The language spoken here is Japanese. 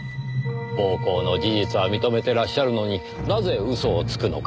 暴行の事実は認めてらっしゃるのになぜ嘘をつくのか。